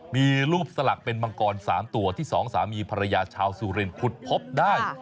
มีรูปสลักเป็นมังกร๓ตัวที่สองสามีภรรยาชาวสุรินขุดพบได้